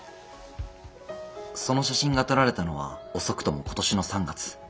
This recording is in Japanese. その写真が撮られたのは遅くとも今年の３月。